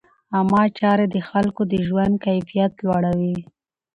عامه چارې د خلکو د ژوند کیفیت لوړوي.